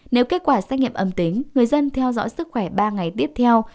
nếu kết quả xét nghiệm âm tính người dân theo dõi sức khỏe ba ngày tiếp theo